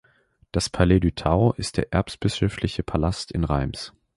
Das Palais du Tau ist der erzbischöfliche Palast in Reims.